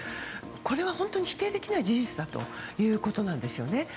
これは本当に否定できない事実だということなんですね。